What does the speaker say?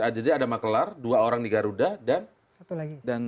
bisa anda bilang jadi ada maklar dua orang di garuda dan